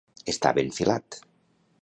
Estar ben filat.